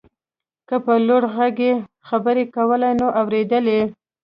که په لوړ غږ يې خبرې کولای نو اورېده يې.